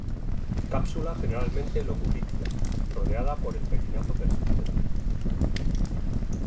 Cápsula generalmente loculicida, rodeada por el perianto persistente.